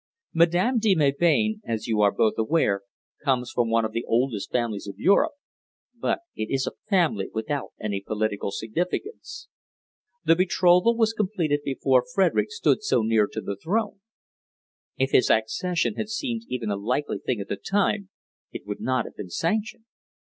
Madame de Melbain, as you are both aware, comes from one of the oldest families of Europe, but it is a family without any political significance. The betrothal was completed before Frederick stood so near to the throne. If his accession had seemed even a likely thing at the time, it would not have been sanctioned.